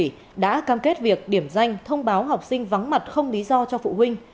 nguyễn thủy đã kết việc điểm danh thông báo học sinh vắng mặt không lý do cho phụ huynh